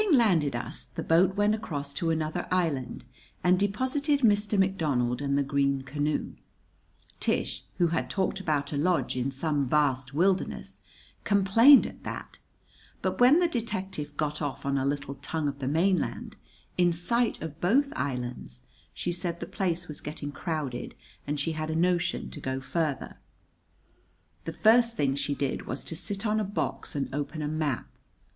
Having landed us, the boat went across to another island and deposited Mr. McDonald and the green canoe. Tish, who had talked about a lodge in some vast wilderness, complained at that; but when the detective got off on a little tongue of the mainland, in sight of both islands, she said the place was getting crowded and she had a notion to go farther. The first thing she did was to sit on a box and open a map.